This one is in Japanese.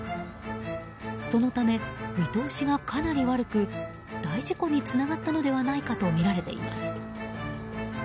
そのため、見通しがかなり悪く大事故につながったのではないかとみられています。